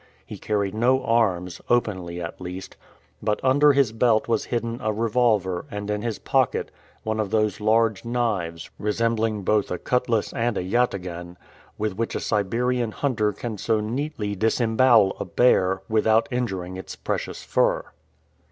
He carried no arms, openly at least, but under his belt was hidden a revolver and in his pocket, one of those large knives, resembling both a cutlass and a yataghan, with which a Siberian hunter can so neatly disembowel a bear, without injuring its precious fur.